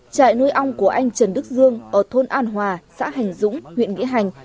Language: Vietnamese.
trại nuôi ong của anh trần đức dương ở thôn an hòa xã hành dũng huyện nghĩa hành